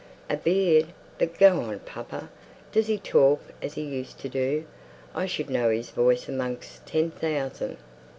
"A beard! But go on, papa. Does he talk as he used to do? I should know his voice amongst ten thousand."